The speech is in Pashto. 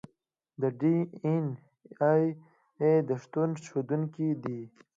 د ډي این اې د شتون ښودونکي دي.